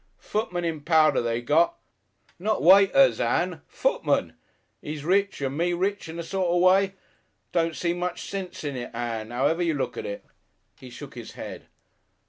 Footmen in powder they got not waiters, Ann footmen! 'E's rich and me rich in a sort of way.... Don't seem much sense in it, Ann, 'owever you look at it." He shook his head.